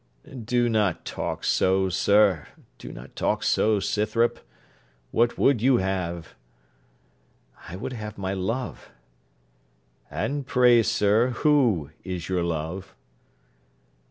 _' 'Do not talk so, sir; do not talk so, Scythrop. What would you have?' 'I would have my love.' 'And pray, sir, who is your love?'